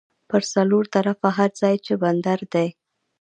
پر څلور طرفه هر ځای چې بندر دی